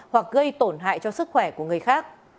hoặc gây tổn hại cho sức khỏe của người khác